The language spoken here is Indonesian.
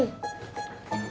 jangan ngelambur ya